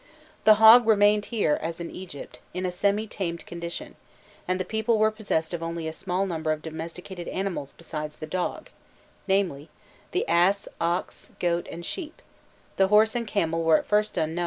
The hog remained here, as in Egypt, in a semi tamed condition, and the people were possessed of only a small number of domesticated animals besides the dog namely, the ass, ox, goat, and sheep; the horse and camel were at first unknown, and were introduced at a later period.